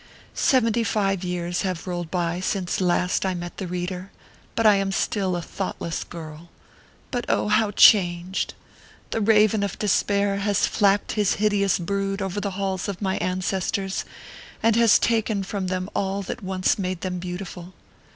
Seventy five years have rolled by since last I met the reader, and I am still a thoughtless girl. But oh, how changed ! The raven of despair has flapped his hideous brood over the halls of my ancestors, and taken from them all that once made them beautiful.